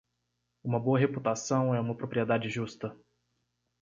Uma boa reputação é uma propriedade justa.